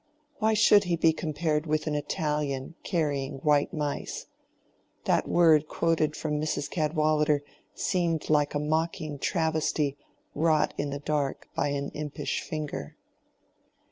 Why should he be compared with an Italian carrying white mice? That word quoted from Mrs. Cadwallader seemed like a mocking travesty wrought in the dark by an impish finger.